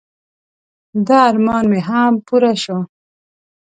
د ارمان مې هم پوره شو.